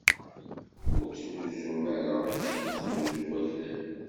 Ur ttnuzun ara akken i ttnuzun waklan.